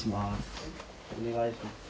お願いします。